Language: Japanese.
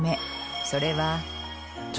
それは。